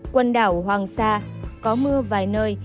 quần đảo hoàng sa có mưa vài nơi